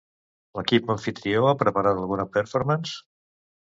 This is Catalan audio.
L'equip amfitrió ha preparat alguna performance?